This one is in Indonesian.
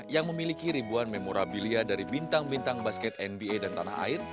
yang memiliki ribuan memorabilia dari bintang bintang basket nba dan tanah air